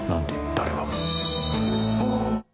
誰が？